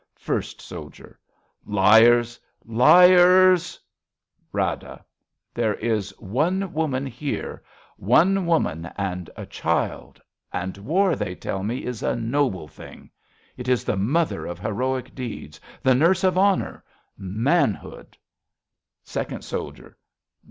First Soldier. Liars ! Liars ! Rada. There is one woman here, One woman and a child. ... 57 RADA And war, they tell me, is a noble thing. It is the mother of heroic deeds, The nurse of honour, manhood. Second Soldier.